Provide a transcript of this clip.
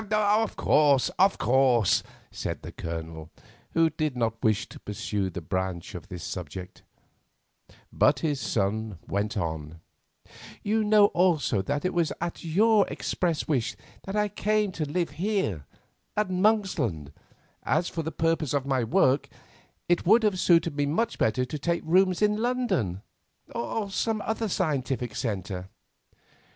"Of course, of course," said the Colonel, who did not wish to pursue this branch of the subject, but his son went on: "You know also that it was at your express wish that I came to live here at Monksland, as for the purposes of my work it would have suited me much better to take rooms in London or some other scientific centre."